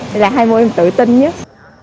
đây là hai môn em tự tin nhất